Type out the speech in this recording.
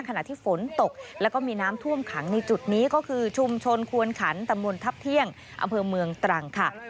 ขณะที่ฝนตกแล้วก็มีน้ำท่วมขังในจุดนี้ก็คือชุมชนควนขันตำบลทัพเที่ยงอำเภอเมืองตรังค่ะ